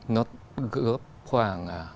nó gỡ khoảng